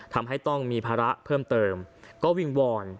ทำให้ต้องมีภาระเพิ่มเติมก็วิงวอน